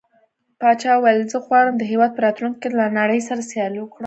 پاچا وويل: زه غواړم چې هيواد په راتلونکي کې له نړۍ سره سيال کړو.